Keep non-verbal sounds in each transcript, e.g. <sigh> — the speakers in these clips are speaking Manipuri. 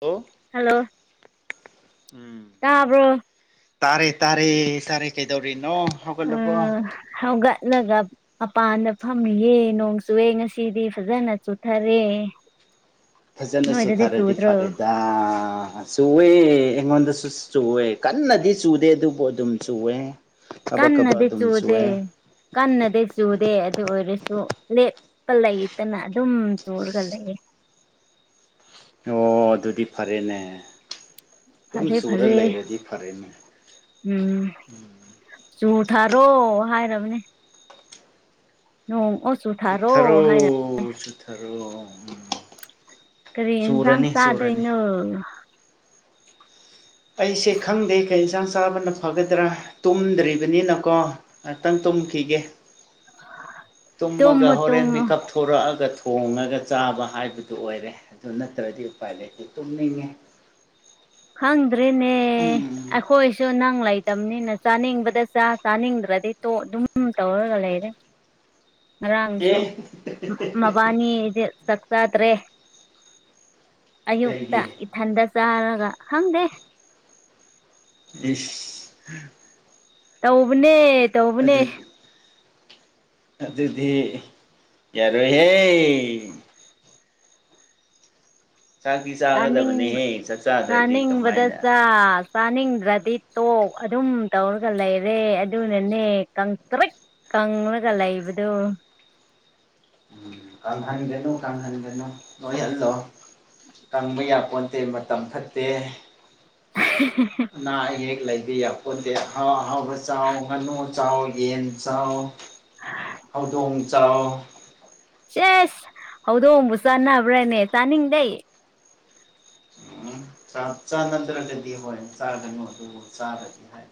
ꯍꯦꯜꯂꯣ ꯍꯜꯂꯣ ꯎꯝ꯫ ꯇꯥꯕ꯭ꯔꯣ ꯇꯥꯔꯦ ꯇꯥꯔꯦ ꯇꯥꯔꯦ ꯀꯩꯗꯧꯔꯤꯅꯣ ꯍꯧꯒꯠꯂꯕꯣ꯫ ꯎꯝ ꯍꯧꯒꯠꯂꯒ꯫ ꯃꯄꯥꯟꯗ ꯐꯝꯃꯤꯌꯦ ꯅꯣꯡ ꯆꯨꯏꯌꯦ ꯉꯁꯤꯗꯤ ꯐꯖꯅ ꯆꯨꯊꯔꯦ꯫ ꯐꯖꯅ ꯅꫭꯏꯗꯗꯤ ꯆꯨꯗ꯭ꯔꯣ꯫ ꯑꯁ ꯆꯨꯋꯦ ꯑꯩꯉꯣꯟꯗꯁꯨ ꯆꯨꯋꯦ ꯀꯟꯅꯗꯤ ꯆꯨꯗꯦ ꯑꯗꯨꯕꯨ ꯑꯗꯨꯝ ꯆꯨꯋꯦ꯫ ꯀꯕꯛ ꯀꯕꯛ ꯀꯟꯅꯗꯤ ꯑꯗꯨꯝ ꯆꯨꯗꯦ ꯆꯨꯋꯦ ꯀꯟꯅꯗꯤ ꯆꯨꯗꯦ ꯑꯗꯨ ꯑꯣꯏꯔꯁꯨ ꯂ‌ꯦꯞ꯫ ꯂꯩꯇꯅ ꯑꯗꯨꯝ ꯆꯨꯔꯒ ꯂꯩꯌꯦ꯫ ꯑꯣ ꯑꯗꯨꯗꯤ ꯐꯔꯦꯅꯦ꯫ ꯑꯗꯨꯝ ꯐꯔꯦ ꯆꯨꯔ ꯐꯔꯦ꯫ ꯂꯩꯔꯗꯤ ꯐꯔꯦꯅꯦ ꯎꯝ ꯆꯨꯊꯥꯔꯣ ꯍꯥꯏꯔꯕꯅꯦ꯫ ꯅꫭꯡꯑꯣ꯫ ꯆꯨꯊꯔꯣ ꯆꯨꯊꯔꯣ꯫ ꯀꯔꯤ ꯌꯦꯟꯁꯥꯡ ꯆꯨꯔꯅꯤ ꯆꯨꯔꯅꯤ ꯆꯥꯗꯣꯏꯅꯣ꯫ ꯑꯩꯁꯦ ꯈꯪꯗꯦ꯫ ꯀꯩ ꯌꯦꯟꯁꯥꯡ ꯆꯥꯕꯅ ꯐꯒꯗ꯭ꯔꯥ ꯇꯨꯝꯗ꯭ꯔꯤꯕꯅꯤꯅꯀꯣ ꯉꯥꯛꯇꯪ ꯇꯨꯝꯈꯤꯒꯦ꯫ ꯇꯨꯝꯃꯒ ꯇꯨꯝꯃꯣ ꯍꯣꯔꯦꯟ ꯇꯨꯝꯃꯣ ꯃꯤꯀꯞ ꯊꯣꯔꯛꯑꯒ ꯊꯣꯡꯉꯒ ꯆꯥꯕ ꯍꯥꯏꯕꯗꯨ ꯑꯣꯏꯔꯦ꯫ ꯑꯗꯨ ꯅꯠꯇ꯭ꯔꯗꯤ ꯎꯄꯥꯏ ꯂꯩꯇ‌ꯦ ꯇꯨꯝꯅꯤꯡꯉꯦ꯫ ꯈꯪꯗ꯭ꯔꯦꯅꯦ꯫ ꯎꯝ ꯑꯈꯣꯏꯁꯨ ꯅꯪ ꯂꯩꯇꯝꯅꯤꯅ ꯆꯥꯅꯤꯡꯕꯗ ꯆꯥ ꯆꯥꯅꯤꯡꯗ꯭ꯔꯗꯤ ꯇꯣꯛ ꯑꯗꯨꯝ ꯇꯧꯔꯒ ꯂꯩꯔꯦ꯫ ꯑꯦ ꯉꯔꯥꯡꯁꯨ ꯃꯕꯥꯅꯤꯗꯤ꯫ ꯆꯥꯛ ꯆꯥꯗ꯭ꯔꯦ ꯑꯌꯨꯛꯇ ꯀꯩꯒꯤ ꯏꯊꯟꯗ ꯆꯥꯔꯒ꯫ ꯈꯪꯗꯦ꯫ ꯏꯁ꯫ ꯇꯧꯕꯅꯦ꯫ ꯇꯧꯕꯅꯦ ꯑꯗꯨꯗꯤ꯫ ꯑꯗꯨꯗꯤ ꯌꯥꯔꯣꯏꯍꯦ꯫ ꯆꯥꯛꯇꯤ ꯆꯥꯅꯤꯡꯕ ꯆꯥꯒꯗꯕꯅꯦꯍꯦ ꯆꯥꯛ ꯆꯥꯗ꯭ꯔꯗꯤ ꯆꯥꯅꯤꯡꯕꯗ ꯀꯃꯥꯏꯅ ꯆꯥ꯫ ꯆꯥꯅꯤꯡꯗ꯭ꯔꯗꯤ ꯇꯣꯛ ꯑꯗꯨꯝ ꯇꯧꯔꯒ ꯂꯩꯔꯦ ꯑꯗꯨꯅꯅꯦ ꯀꯪꯇ꯭ꯔꯤꯛ꯫ ꯀꯪꯂꯒ ꯂꯩꯕꯗꯣ꯫ ꯎꯝ ꯀꯪꯍꯟꯒꯅꯨ ꯀꯪꯍꯟꯒꯅꯨ ꯅꯣꯏꯍꯜꯂꯣ ꯀꯪꯕ ꯌꯥꯄꯣꯟꯇꯦ ꯃꯇꯝ ꯐꯠꯇꯦ <inaudible> ꯑꯅꯥ ꯑꯌꯦꯛ ꯂꯩꯕ ꯌꯥꯄꯣꯟꯇꯦ ꯑꯍꯥꯎ ꯑꯍꯥꯎꯕ ꯆꯥꯎ ꯉꯥꯅꯨ ꯆꯥꯎ ꯌꯦꯟ ꯆꯥꯎ꯫ ꯍꯧꯗꯣꯡ ꯆꯥꯎ ꯆꯁ ꯍꯧꯗꯣꯡꯕꯨ ꯆꯥꯅꯕ꯭ꯔꯥꯅꯦ ꯇꯥꯅꯤꯡꯗꯦ꯫ ꯆꯥꯛ ꯆꯥ ꯅꯗ꯭ꯔꯒꯗꯤ ꯍꯣꯏ ꯆꯥꯔꯒꯅꯨ ꯑꯗꯨ ꯆꯥꯔꯗꯤ ꯍꯥꯏ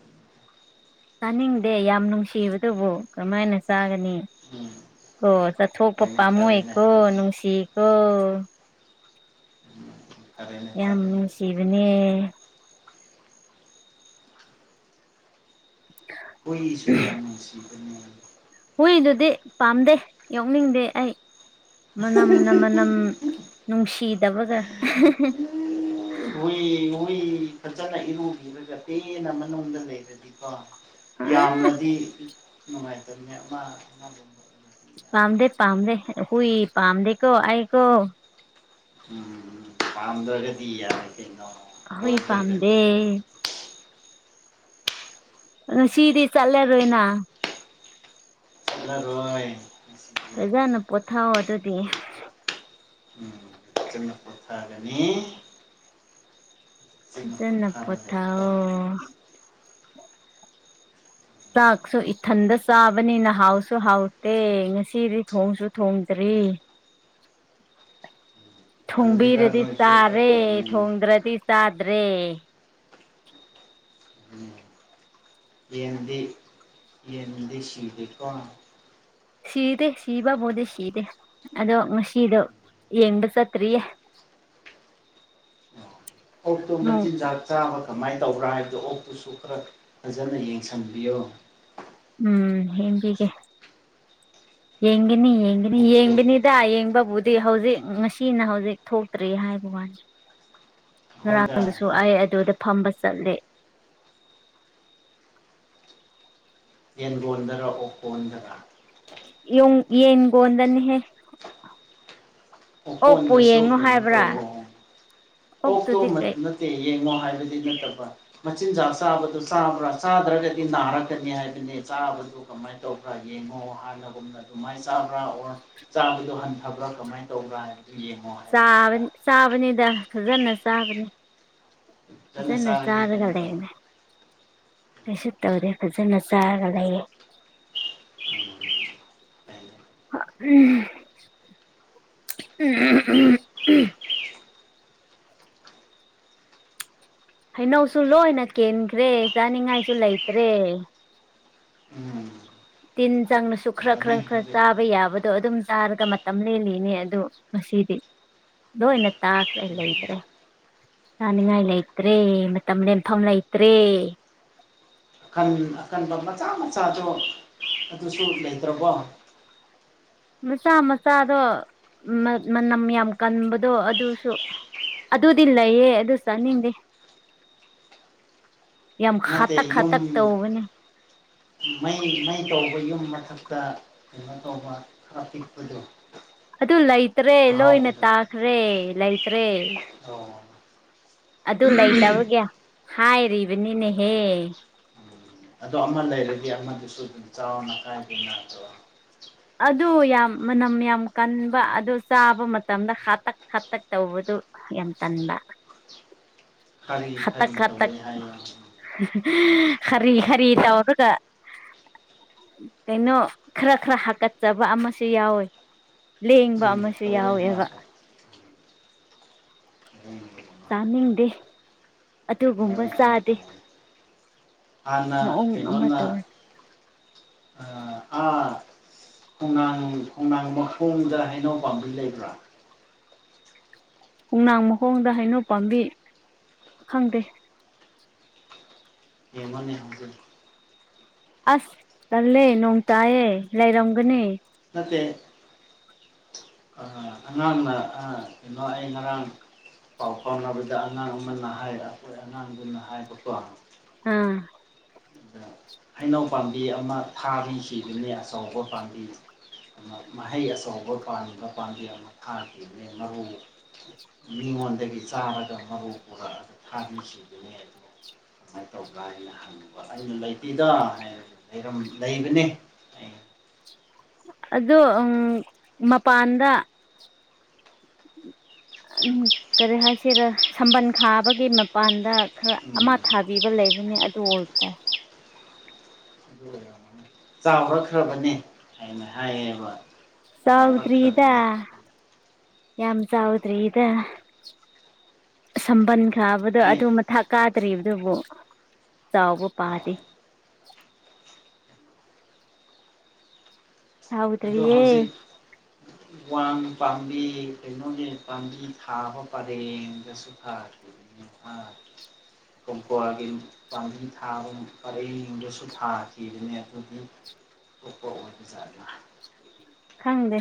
ꯆꯥꯅꯤꯡꯗꯦ ꯌꯥꯝ ꯅꯨꯡꯁꯤꯕꯗꯨꯕꯨ ꯀꯔꯝ ꯃꯥꯏꯅ ꯆꯥꯒꯅꯤ꯫ ꯎꯝ ꯀꯣ ꯆꯠꯊꯣꯛꯄ ꯍꯣꯏꯅꯦ ꯐꯔꯦꯅꯦ ꯄꯥꯝꯃꯨꯏꯀꯣ ꯑꯗꯨꯗꯤ ꯅꯨꯡꯁꯤ꯫ ꯑꯣ ꯐꯔꯦꯅꯦ ꯌꯥꯝ ꯐꯔꯦꯅꯦ ꯅꯨꯡꯁꯤꯕꯅꯦ꯫ ꯍꯨꯏꯁꯨꯨ ꯌꯥꯝ ꯅꯨꯡꯁꯤꯕꯅ‌ꯦ꯫ ꯍꯨꯏꯗꯨꯗꯤ ꯄꯥꯝꯗꯦ ꯌꫭꯛꯅꯤꯡꯗꯦ ꯑꯩ꯫ ꯃꯅꯝꯅ ꯃꯅꯝ ꯅꯨꯡꯁꯤꯗꯕꯒ <unintelligible> ꯍꯨꯏ ꯍꯨꯏ ꯐꯖꯅ ꯏꯔꯨꯕꯤꯔꯒ ꯀ‌ꯦꯅ ꯃꯅꯨꯡꯗ ꯂꯩꯔꯗꯤ꯫ ꯍꯥꯏꯗꯤꯀꯣ ꯑ ꯌꯥꯝꯅꯗꯤ ꯅꯨꯡꯉꯥꯏꯇꯝꯅꯦ ꯑꯃ꯫ ꯄꯥꯝꯗꯦ ꯄꯥꯝꯗꯦ ꯍꯨꯏ ꯄꯥꯝꯗꯦ ꯀꯣ ꯑꯩ ꯀꯣ꯫ ꯎꯝ ꯄꯥꯝꯗ꯭ꯔꯒꯗꯤ ꯌꯥꯔꯦ ꯀꯩꯅꯣ ꯍꯨꯏ ꯂꯧꯗ꯭ꯔꯒ ꯄꯥꯝꯗꯦ ꯂꯣꯏꯔꯦ ꯉꯁꯤꯗꯤ ꯆꯠꯂꯔꯣꯏꯅ ꯆꯠꯂꯔꯣꯏ ꯉꯁꯤꯗꯤ ꯐꯖꯅ ꯄꯣꯊꯥꯎꯑꯣ ꯑꯗꯨꯗꯤ ꯎꯝ ꯐꯖꯅ ꯄꯣꯊꯥꯒꯅꯤ ꯐꯖꯅ ꯄꯣꯊꯥꯅ ꯂꯩ ꯄꯣꯊꯥꯎ ꯇꯧꯔꯝꯃꯦ ꯆꯥꯛꯁꯨ ꯏꯊꯟꯗ ꯆꯥꯕꯅꯤꯅ ꯍꯥꯎꯁꯨ ꯍꯥꯎꯇꯦ ꯉꯁꯤꯗꯤ ꯊꯣꯡꯁꯨ ꯊꯣꯡꯗ꯭ꯔꯦ꯫ ꯉꯜꯂꯤꯗ ꯊꯣꯡꯕꯤꯔꯗꯤ ꯅꯣꯏꯁꯨ ꯆꯥꯔꯦ ꯆꯠꯇꯕꯅꯤꯅ ꯊꯣꯡꯗ꯭ꯔꯗꯤ ꯇꯗ꯭ꯔꯦ꯫ ꯎꯝ ꯌꯦꯟꯗꯤ ꯌꯦꯟꯗꯤ ꯁꯤꯗꯤꯀꯣ꯫ ꯁꯤꯗꯦ ꯁꯤꯕꯕꯨꯗꯤ ꯁꯤꯗꯦ ꯑꯗꯣ ꯉꯁꯤꯗꯣ ꯌꯦꯡꯕ ꯆꯠꯇ꯭ꯔꯤꯌꯦ꯫ ꯑꯣꯛꯗꯣ ꯅꯣꯡ ꯃꯟꯖꯤꯟꯖꯥꯛ ꯆꯥꯕ ꯀꯃꯥꯏꯅ ꯇꯧꯕ꯭ꯔꯥ ꯍꯥꯏꯕꯗꯣ ꯑꯣꯛꯇꯨꯁꯨ ꯈꯔ ꯐꯖꯅ ꯌꯦꯡꯁꯟꯕꯤꯌꯣ꯫ ꯎꯝ ꯌꯦꯡꯕꯤꯒꯦ ꯌꯦꯡꯒꯅꯤ ꯌꯦꯡꯅꯤ ꯑꯣꯛꯇꯣ ꯌꯦꯡꯕꯅꯦ ꯍꯤꯗꯥ ꯌꯦꯡꯕꯕꯨꯗꯤ ꯍꯧꯖꯤꯛ ꯉꯁꯤꯅ ꯍꯧꯖꯤꯛ ꯊꯣꯛꯇ꯭ꯔꯤ ꯍꯥꯏꯕ ꯋꯥꯅꯤ ꯑꯩꯈꯣꯏꯗ ꯉꯔꯥꯡꯗꯨꯁꯨ ꯑꯩ ꯑꯗꯨꯗ ꯐꯝꯕ ꯆꯠꯂꯦ꯫ ꯌꯦꯟ ꯒꯣꯟꯗꯔ ꯑꯣꯀꯣꯟꯗꯔꯥ ꯌꯨꯟ ꯌꯦꯟꯒꯣꯗꯅꯤ ꯍꯦ꯫ ꯑꯣ ꯑꯣꯛꯄꯨ ꯀꯣꯟꯗꯁꯨ ꯌꯦꯡꯉꯣ ꯀꯩꯅꯣ ꯇꯣ ꯍꯥꯏꯕ꯭ꯔꯥ ꯑꯣꯛꯇꯣ ꯑꯣꯛꯇꯨꯗꯤ ꯀꯩ <unintelligible> <unintelligible> ꯌꯦꯡꯉꯣ ꯍꯥꯏꯕꯗꯤ ꯅꯠꯇꯕ ꯃꯆꯤꯟꯖꯥꯛ ꯆꯥꯕꯗꯨ ꯆꯥꯕ꯭ꯔꯥ ꯆꯥꯗ꯭ꯔꯒꯗꯤ ꯅꯥꯔꯛꯀꯅꯤ ꯍꯥꯏꯕꯅꯦ ꯆꯥꯕꯗꯨ꯫ ꯀꯃꯥꯏꯅ ꯇꯧꯕ꯭ꯔꯥ ꯌꯦꯡꯉꯣ ꯍꯥꯟꯅꯒꯨꯝꯅ ꯑꯗꯨꯃꯥꯏꯅ ꯆꯥꯕ꯭ꯔꯥ ꯑꯣꯔ ꯆꯥꯕꯗ ꯍꯟꯊꯕ꯭ꯔꯥ ꯀꯃꯥꯏꯅ ꯇꯧꯕ꯭ꯔ ꯍꯥꯏ ꯑꯗꯨ ꯌꯦꯡꯉꯣ꯫ ꯍꯥꯏꯕꯅꯤꯗ ꯆꯕꯅꯤꯗ ꯐꯖꯅ ꯆꯥꯕꯅꯤ ꯐꯖꯅ ꯐꯖꯟꯅ ꯆꯥꯔꯗꯤ ꯀꯩꯅꯣ ꯆꯔꯒꯔꯦ ꯇꯧꯔꯣꯏ ꯀꯩꯁꯨ ꯇꯧꯔꯦ ꯐꯖꯅ ꯆꯥꯔꯒ ꯂꯩꯌꯦ꯫ <unintelligible> ꯎꯝ ꯎꯝ <unintelligible> ꯍꯩꯅꯧꯁꯨ ꯂꯣꯏꯅ ꯀꯦꯟꯈ꯭ꯔꯦ ꯆꯥꯅꯤꯡꯉꯥꯏꯁꯨ ꯂꯩꯇ꯭ꯔꯦ꯫ <unintelligible> ꯇꯤꯟ ꯆꯪꯅꯁꯨ ꯈꯔ ꯇꯧꯒꯅꯤ ꯈꯔ ꯈꯔ ꯍꯧꯖꯤꯛꯇꯤ ꯆꯥꯕ ꯌꯥꯕꯗꯣ ꯑꯗꯨꯝ ꯆꯥꯔꯒ ꯇꯝꯂꯜꯂꯤꯅꯦ ꯑꯗꯨ ꯉꯁꯤꯗꯤ ꯂꯣꯏꯅ ꯇꯥꯈ꯭ꯔꯦ ꯎꯝ ꯂꯩꯇ꯭ꯔꯦ꯫ ꯆꯥꯅꯤꯡꯉꯥꯏ ꯂꯩꯇ꯭ꯔꯦ ꯃꯇꯝ ꯂꯦꯟꯐꯝ ꯂꯩꯇ꯭ꯔꯦ꯫ ꯑꯀꯟ ꯑꯀꯟꯕ ꯃꯆꯥ ꯃꯆꯥꯗꯣ ꯑꯗꯨꯁꯨ ꯂꯩꯇ꯭ꯔꯕꯣ꯫ ꯃꯆꯥ ꯃꯆꯥꯗꯣ ꯃꯅꯝ ꯌꯥꯝ ꯀꯟꯕꯗꯣ ꯑꯗꯨꯁꯨ꯫ ꯑꯗꯨꯗꯤ ꯂꯩꯌꯦ ꯑꯗꯨ ꯆꯠꯅꯤꯡꯗꯦ ꯌꯥꯝ ꯅꯠꯇꯦ ꯈꯇꯛ ꯌꯨꯝ ꯈꯇꯛ ꯇꯧꯅꯦ ꯃꯩ ꯃꯩ ꯇꯧꯕ ꯌꯨꯝ ꯃꯊꯛꯇ ꯀꯩꯅꯣ ꯇꯧꯕ ꯇ꯭ꯔꯥꯐꯤꯛꯄꯗꯣ ꯑꯗꯨ ꯂꯩꯇ꯭ꯔꯦ ꯂꯣꯏꯅ ꯇꯥꯈ꯭ꯔꯦ ꯂꯩꯇ꯭ꯔꯦ ꯑ ꯑꯗꯨ ꯂꯩꯇꯕꯒꯦ ꯍꯥꯏꯔꯤꯕꯅꯤꯅꯦꯍꯦ ꯎꯝ ꯑꯗꯣ ꯑꯃ ꯂꯩꯔꯒ ꯑꯃꯗꯨꯁꯨ ꯑꯗꯨꯝ ꯆꯥꯎꯅ ꯀꯥꯏꯗꯦꯅꯠꯇ ꯑꯗꯨ ꯌꯥꯝ ꯃꯅꯝ ꯌꯥꯝ ꯀꯟꯕ ꯑꯗꯨ ꯆꯥꯕ ꯃꯇꯝꯗ ꯍꯥꯥꯇꯛ ꯈꯥꯇꯛ ꯇꯧꯕꯗꯨ ꯌꯥꯝ ꯇꯟꯕ ꯀꯔꯤ ꯈꯥꯇꯛ ꯀꯔꯤ ꯈꯥꯇꯛ ꯇꯧꯋꯏ ꯍꯥꯏꯔꯤ ꯈꯔꯤ ꯈꯔꯤ ꯇꯧ ꯑꯗꯨꯒ ꯀꯩꯅꯣ ꯈꯔ ꯈꯔ ꯍꯥꯀꯠꯆꯕ ꯑꯃꯁꯨ ꯌꯥꯎꯋꯤ꯫ ꯂꯦꯡꯕ ꯎꯝ ꯑꯃꯁꯨ ꯇꯧꯋꯦ ꯌꯥꯎꯋꯦꯕ ꯃꯥꯗꯣ ꯎ <unintelligible> ꯇꯥꯟꯅꯤꯡꯗꯦ ꯑꯗꯨꯒꯨꯝꯕ ꯃꯑꯣꯡ ꯑꯃ ꯆꯥꯗꯦ ꯇꯧꯋꯦ ꯍꯥꯟꯅ ꯃꯑꯣꯡ ꯑꯃ ꯇꯧꯋꯤ꯫ ꯑ ꯑꯥ <unintelligible> ꯈꯣꯡꯅꯥꯡ ꯈꯣꯡꯅꯥꯡ ꯃꯈꯣꯡꯗ ꯍꯩꯅꯧ ꯄꯥꯝꯕꯤ ꯂꯩꯕ꯭ꯔꯥ꯫ ꯍꯣꯡꯅꯥꯡ ꯃꯈꯣꯡꯗ ꯍꯩꯅꯧ ꯄꯥꯝꯕꯤ ꯈꯪꯗꯦ꯫ ꯌꯦꯡꯉꯣꯅꯦ ꯍꯧꯖꯤꯛ ꯑꯁ ꯇꯜꯂꯦ ꯅꯣꯡ ꯇꯥꯏꯌꯦ ꯂꯩꯔꯝꯒꯅꯤ꯫ ꯅꯠꯇꯦ ꯑ ꯑꯉꯥꯡꯅ ꯑꯥ ꯀꯩꯅꯣ ꯑꯩ ꯉꯔꯥꯡ ꯄꯥꯎ ꯐꯥꯎꯅꯕꯗ ꯑꯉꯥꯡ ꯑꯃꯅ ꯍꯥꯏ ꯑꯩꯈꯣꯏ ꯑꯉꯥꯡꯗꯨꯅ ꯍꯥꯏꯕꯀꯣ ꯑꯥ ꯑꯗ ꯍꯩꯅꯧ ꯄꯥꯝꯕꯤ ꯑꯃ ꯊꯥꯕꯤꯗꯨꯅꯦ ꯑꯆꯧꯕ ꯄꯥꯝꯕꯤ ꯑꯃ ꯃꯍꯩ ꯑꯆꯧꯕ ꯄꯥꯟꯕ ꯄꯥꯝꯕꯤ ꯑꯃ ꯊꯥꯈꯤꯕꯅꯦ ꯃꯔꯨ ꯉꯣꯟꯗꯒꯤ ꯆꯥꯔꯒ ꯃꯔꯨ ꯄꯨꯔꯛꯑꯒ ꯊꯥꯔꯤꯁꯤ ꯑꯗꯨꯃꯥꯏꯅ ꯇꯧꯕ꯭ꯔꯥ ꯍꯥꯏꯅ ꯍꯪꯉꯕ ꯑꯩꯅ ꯂꯩꯇꯗ ꯂꯩꯕꯅꯦ ꯑꯩ ꯑꯗꯣ ꯃꯄꯥꯟꯗ ꯎꯝ ꯀꯔꯤ ꯍꯥꯏꯁꯤꯔ ꯁꯝꯕꯜ ꯈꯥꯕꯒꯤ ꯃꯄꯥꯟꯗ ꯈꯔ ꯑꯃ ꯎꯝ ꯑꯗꯨ ꯊꯥꯒ ꯄꯤꯕ ꯂꯩꯕꯅꯦ ꯑꯗꯨ ꯑꯣꯏꯔ ꯇ ꯍ ꯌꯥ ꯆꯥꯎꯈꯈ꯭ꯔꯕꯅꯤ ꯍꯥꯏꯅ ꯍꯥꯏꯌꯦꯕ ꯆꯥꯎꯗ꯭ꯔꯤꯗ ꯆꯥꯎꯔꯛꯈ꯭ꯔꯕꯅꯦ ꯌꯥꯝ ꯆꯥꯎꯗ꯭ꯔꯤꯗ ꯁꯝꯕꯜ ꯈꯥꯕꯗꯣ ꯑꯩ ꯑꯗꯨ ꯊꯛꯀꯥꯗ꯭ꯔꯤꯕꯗꯨꯕꯨ ꯆꯥꯎꯕ ꯄꯥꯗꯦ ꯑꯗꯣ ꯆꯥꯎꯗ꯭ꯔꯤꯌꯦ ꯍꯧꯖꯤꯛ ꯋꯥꯡ ꯄꯥꯝꯕꯤ ꯀꯩꯅꯣꯅꯦ ꯄꯥꯝꯕꯤ ꯊꯥꯕ ꯄꯔꯦꯡꯒꯁꯨ ꯐꯥꯈꯤ ꯀꯣꯡꯄꯑꯒꯤ ꯄꯥꯝꯕꯤ ꯊꯥꯕ ꯄꯔꯩꯗꯁꯨ ꯊꯥꯈꯤꯕꯅꯦ ꯑꯗꯨꯒꯤ ꯊꯄꯥꯎ ꯑꯣꯏꯕꯖꯗ ꯈꯪꯗꯦ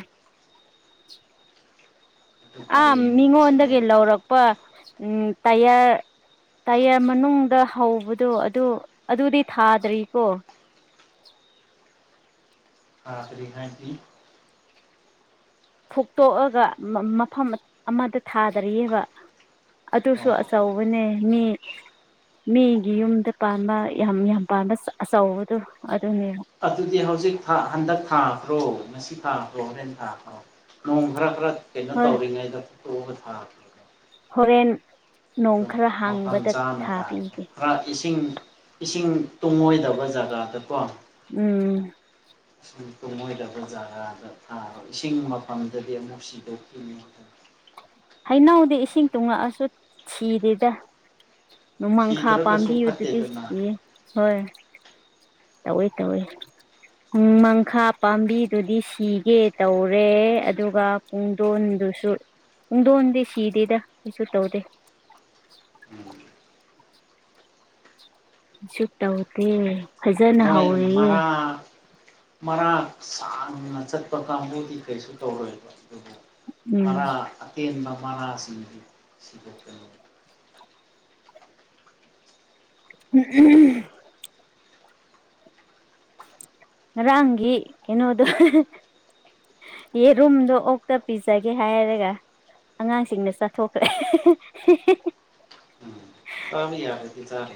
ꯑꯗꯨ ꯑꯥ ꯄꯔꯦꯡꯗꯁꯨ ꯃꯤꯉꯣꯟꯗꯒꯤ ꯂꯩꯕꯅꯦ ꯂꯧꯔꯛꯄ ꯎꯝ ꯇꯌꯥꯔ ꯇꯌꯔ ꯃꯅꯨꯡꯗ ꯍꯧꯕꯗꯣ ꯑꯗꯨ ꯑꯗꯨꯗꯤ ꯊꯥꯗ꯭ꯔꯤꯀꯣ ꯍꯥ ꯑꯗꯨꯔꯤ ꯍꯥꯏꯗꯤ ꯐꯨꯇꯣꯛꯑꯒ ꯃꯐꯝ ꯑꯃꯗ ꯊꯥꯗꯔꯤꯑꯕ ꯑꯗꯨꯁꯨ ꯑꯣ ꯑꯆꯧꯕꯅꯦ ꯃꯤ ꯃꯤꯒꯤ ꯌꯨꯝꯗ ꯄꯥꯝꯕ ꯌꯥꯝ ꯌꯥꯝ ꯄꯥꯝꯕ ꯑꯆꯧꯕꯗꯣ ꯑꯗꯨꯅꯦꯕ ꯑꯗꯨꯗꯤ ꯍꯧꯖꯤꯛ ꯍꯟꯗꯛ ꯊꯥꯈ꯭ꯔꯣ ꯉꯁꯤ ꯊꯥꯈ꯭ꯔꯣ ꯍꯣꯔꯦꯟ ꯊꯥꯈ꯭ꯔꯣ ꯅꯣꯡ ꯈꯔ ꯈꯔ ꯀꯩꯅꯣ ꯍꯣꯏ ꯇꯧꯔꯤꯉꯩꯗ ꯐꯠꯇꯣꯛꯑꯒ ꯊꯥꯦ ꯍꯣꯔꯦꯟ ꯅꯣꯡ ꯑꯗꯨꯝ ꯈꯔ ꯃꯐꯝ ꯍꯥꯡꯕꯗ ꯆꯥꯅ ꯊꯥꯈ꯭ꯔꯣ ꯊꯥꯕꯤꯒꯦ ꯈꯔ ꯏꯁꯤꯡ ꯏꯁꯤꯡ ꯇꯨꯡꯉꯣꯏꯗꯕ ꯖꯒꯥꯗꯀꯣ ꯎꯝ ꯏꯁꯤꯡ ꯊꯨꯝꯃꯣꯏꯗꯕꯖꯥꯒꯥꯗ ꯊꯥꯕ ꯏꯁꯤꯡ ꯃꯐꯝꯗꯗꯤ ꯑꯃꯨꯛ ꯁꯤꯗꯣꯛꯈꯤꯅꯤ ꯍꯩꯅꯧꯗꯤ ꯏꯁꯤꯡ ꯇꯨꯡꯉꯛꯑꯁꯨ ꯁꯤꯗꯦꯗ ꯅꯣꯃꯥꯡꯈꯥ ꯁꯤꯗ꯭ꯔꯒꯁꯨ ꯄꯥꯝꯕꯤ ꯑꯗꯨꯗꯤ ꯐꯠꯇꯦꯗꯅ ꯁꯤꯌꯦ ꯇꯧꯏ ꯇꯧꯏ ꯎꯨꯡ ꯂꯣꯃꯥꯡꯈꯥ ꯄꯥꯝꯕꯤꯗꯨꯗꯤ ꯁꯤꯒꯦ ꯇꯧꯔꯦ ꯑꯗꯨꯒ ꯄꯨꯡꯗꯣꯟꯗꯨꯁꯨ ꯄꯨꯡꯗꯣꯟꯗꯤ ꯁꯤꯗꯦꯗ ꯀꯩꯁꯨ ꯇꯧꯗꯦ ꯁꯨ ꯇꯧꯗꯦ ꯐꯖꯅ ꯍꯧꯋꯦꯌꯦ ꯃꯔꯥꯛ ꯁꯥꯡꯗꯨꯅ ꯆꯠꯄ ꯀꯥꯡꯕꯨꯗꯤ ꯀꯩꯁꯨ ꯇꯧꯔꯣꯏꯕ ꯑꯗꯨꯕꯨ ꯎꯝ ꯃꯔꯥ ꯑꯇꯦꯟꯕ ꯃꯔꯥꯁꯤꯡꯗꯨꯗ ꯎ ꯎꯝ ꯉꯔꯥꯡꯒꯤ ꯀꯩꯅꯣꯗꯣ ꯌꯦ ꯔꯨꯝꯗꯣ ꯑꯣꯛꯇ ꯄꯤꯖꯒꯦ ꯍꯥꯏꯔꯒ ꯑꯉꯥꯡꯁꯤꯡꯅ ꯆꯠꯊꯣꯛꯈ꯭ꯔꯦ ꯆꯝ ꯌꯥꯗꯗꯤ ꯆꯥꯔ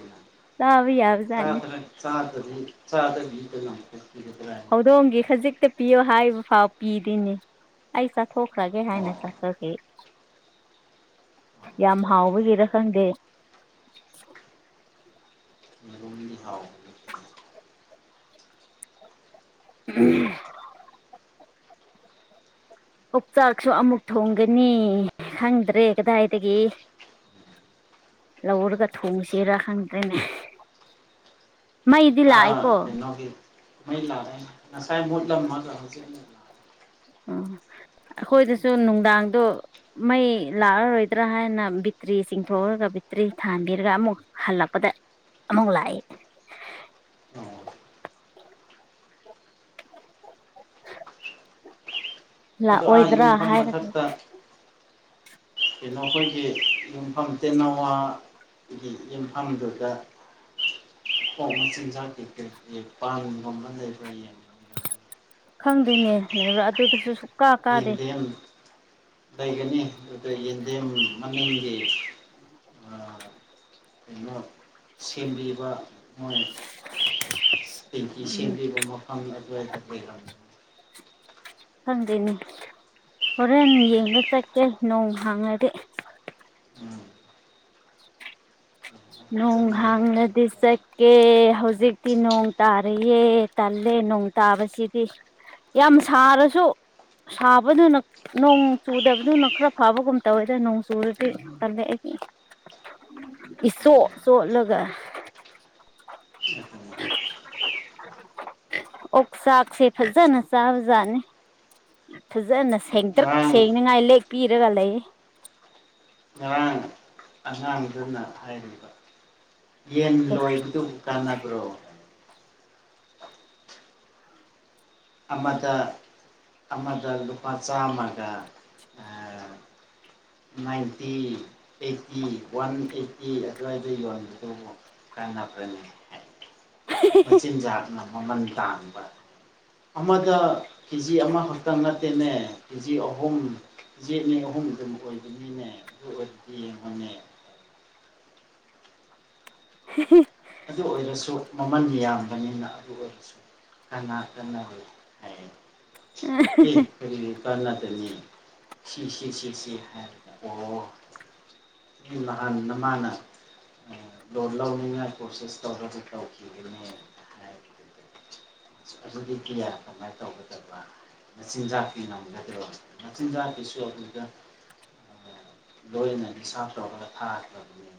ꯆꯥꯕ ꯌꯥꯕꯖꯥꯠꯅꯤ ꯌꯥꯗ ꯆꯗ꯭ꯔ ꯆꯥꯗꯕꯤ ꯆꯥꯗꯕꯤꯗꯤꯗ ꯍꯧꯗꯣꯡꯒꯤ ꯈꯖꯤꯛꯇ ꯄꯤꯌꯣ ꯍꯥꯏꯕ ꯐꯥꯎ ꯄꯤꯗꯣꯏꯅꯤ ꯑꯩ ꯆꯠꯊꯣꯛꯈ꯭ꯔꯒꯦ ꯍꯥꯏꯅ ꯑꯣ <unintelligible> ꯌꯥꯝ ꯍꯥꯎꯕꯒꯤꯔ ꯈꯪꯗꯦ <unintelligible> <unintelligible> ꯑꯣꯛꯆꯥꯛꯁꯨ ꯑꯃꯨꯛ ꯊꯣꯡꯒꯅꯤ ꯈꯪꯗ꯭ꯔꯦ ꯀꯗꯥꯏꯗꯒꯤ ꯂꯧꯔꯒ ꯊꯣꯡꯁꯦꯔꯥ ꯈꯪꯗ꯭ꯔꯦꯅꯦ ꯃꯩꯗꯤ ꯑꯥ ꯂꯥꯛꯏꯀꯣ ꯃꯩ ꯂꯥꯛꯑꯦ ꯉꯥꯁꯥꯏ ꯃꯨꯠꯂꯝꯃꯒꯥ ꯑꯃꯨꯛ ꯂꯥꯛꯑꯦ ꯑꯣ ꯑꯩꯈꯣꯏꯗꯁꯨ ꯅꯨꯡꯗꯥꯡꯗꯣ ꯃꯩ ꯂꯥꯛꯑꯔꯣꯏꯗ꯭ꯔꯥ ꯍꯥꯏꯅ ꯕꯤꯇ꯭ꯔꯤ ꯆꯤꯡꯊꯣꯛꯑꯒ ꯕꯤꯇ꯭ꯔꯤ ꯊꯥꯟꯕꯤꯔꯒ ꯑꯃꯨꯛ ꯍꯜꯂꯛꯄꯗ ꯑꯃꯨꯛ ꯂꯥꯛꯑꯦ ꯑꯣ ꯑꯗꯣ ꯑꯥ ꯂꯥꯛꯑꯣꯏꯗ꯭ꯔꯥ ꯌꯨꯝꯐꯝ ꯍꯥꯏꯔꯒ ꯃꯊꯛꯇ ꯀꯩꯅꯣ ꯑꯩꯈꯣꯏꯒꯤ ꯌꯨꯝꯐꯝ <unintelligible> ꯌꯨꯝꯐꯝꯗꯨꯗ <unintelligible> ꯈꯪꯗꯦꯅꯦ ꯂꯩꯕ꯭ꯔꯥ ꯑꯗꯨꯗꯁꯨ ꯁꯨꯛꯀꯥ ꯀꯥꯗꯦ ꯌꯦꯟꯗꯦꯝ ꯂꯩꯒꯅꯤ ꯑꯗꯨꯗ ꯌꯦꯟꯗꯦꯝ ꯃꯅꯤꯡꯒꯤ <inaudible> ꯀꯩꯅꯣ ꯁꯦꯝꯕꯤꯕ ꯃꯣꯏ ꯇꯦꯡꯇꯤ ꯎꯝ ꯁꯦꯝꯕꯤꯕ ꯃꯐꯝ ꯑꯗꯨꯋꯥꯏꯗ ꯂꯩꯔꯝꯃꯤ ꯈꯪꯗꯦꯅꯦ ꯍꯣꯔꯦꯟ ꯌꯦꯡꯒ ꯆꯠꯀꯦ ꯅꯣꯡ ꯍꯥꯡꯉꯗꯤ ꯎꯝ ꯅꯣꯡ ꯐꯖꯅ ꯌꯦꯡꯉꯒ ꯍꯥꯡꯉꯥꯗꯤ ꯆꯠ ꯀꯦ ꯍꯧꯖꯤꯛꯇꯤ ꯅꯣꯡ ꯇꯥꯔꯤꯌꯦ ꯇꯜꯂꯦ ꯅꯣꯡ ꯇꯥꯕꯁꯤꯗꯤ ꯌꯥꯝ ꯁꯥꯔꯁꯨ ꯁꯥꯕꯗꯨꯅ ꯅꯣꯡ ꯆꯨꯗꯕꯗꯨꯅ ꯈꯔ ꯐꯥꯕꯒꯨꯝ ꯇꯧꯋꯦꯗ ꯅꯣꯡ ꯆꯨꯨꯔꯗꯤ ꯇꯜꯂꯦ ꯑꯩꯒꯤ ꯎꯝ ꯏꯆꯣꯠ ꯆꯣꯠꯂꯒ ꯑꯣꯛ ꯆꯥꯛꯁꯦ ꯐꯖꯅ ꯆꯥꯕꯖꯥꯠꯅꯤ ꯐꯖꯅ ꯁꯦꯡꯇ꯭ꯔꯤꯛ ꯉꯔꯥꯡ ꯁꯦꯡꯅꯤꯡꯉꯥꯏ ꯂꯦꯛꯄꯤꯔꯒ ꯂꯩꯌꯦ ꯉꯔꯥꯡ ꯑꯉꯥꯡꯗꯨꯅ ꯍꯥꯏꯔꯤꯕ ꯌꯦꯟ ꯂꯣꯏꯕꯗꯨꯕꯨ ꯀꯥꯟꯅꯕ꯭ꯔꯣ ꯑꯃꯗ ꯑꯃꯗ ꯂꯨꯄꯥ ꯆꯥꯝꯃꯒ ꯅꯥꯏꯟꯇꯤ ꯑꯩꯠꯇꯤ ꯋꯥꯟ ꯑꯩꯠꯇꯤ ꯑꯗꯨꯋꯥꯏꯗ ꯌꯣꯟꯕꯗꯨꯕꯨ ꯀꯥꯟꯅꯕ꯭ꯔꯅꯤ ꯍꯥꯏ ꯃꯆꯤꯟꯖꯥꯛꯅ ꯃꯃꯟ ꯇꯥꯡꯕ ꯑꯃꯗ ꯀꯦ ꯖꯤ ꯑꯃꯈꯛꯇꯪ ꯅꯠꯇꯦꯅꯦ ꯀꯦ ꯖꯤ ꯑꯍꯨꯝ ꯌꯦꯠꯅꯦ ꯑꯍꯨꯝ ꯑꯗꯨꯝ ꯑꯣꯏꯕꯅꯤꯅꯦ ꯑꯗꯨ ꯑꯣꯏꯕꯗꯤ ꯌꯦꯡꯕꯅꯦ ꯎ ꯑꯗꯨ ꯑꯣꯏꯔꯁꯨ ꯃꯃꯜ ꯌꯥꯝꯕꯅꯤꯅ ꯑꯗꯨ ꯑꯣꯏꯔꯁꯨ ꯀꯅꯥ ꯀꯅ ꯍꯥꯏ ꯀꯔꯤ ꯀꯔꯅꯥꯇꯅꯤ ꯁꯤꯁꯤ ꯁꯤꯁꯤ ꯍꯥꯏꯕꯗ ꯑꯣ ꯑꯩ ꯅꯍꯥꯟꯅ ꯃꯥꯅ ꯂꯣꯟ ꯂꯧꯅꯤꯡꯉꯥꯏ ꯀꯣꯔꯁꯦꯁ ꯇꯧꯔꯒ ꯇꯧꯈꯤꯒꯅꯤ ꯍꯥꯏꯈꯤ ꯑꯗꯨꯗꯤ <unintelligible> ꯀꯃꯥꯏ ꯇꯧꯒꯗꯕꯥ ꯃꯆꯤꯟꯖꯥꯛꯀꯤ ꯉꯝꯒꯗꯔꯣ ꯃꯆꯤꯟꯖꯥꯛꯀꯤꯁꯨ ꯑꯗꯨꯒ ꯂꯣꯏꯅ ꯍꯤꯁꯥꯞ ꯇꯧꯔꯒꯥ ꯊꯥꯒꯔꯕꯅꯤ